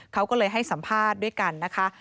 เขาก็เลยให้สัมภาษณ์ด้วยกันนะคะ